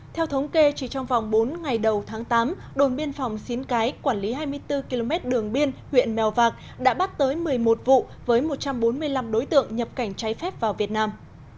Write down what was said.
theo thống kê chỉ trong vòng bốn ngày đầu tháng tám đồn biên phòng xín cái quản lý hai mươi bốn km đường biên huyện mèo vạc đã bắt tới một mươi một vụ với một trăm bốn mươi năm đối tượng nhập cảnh trái phép vào việt nam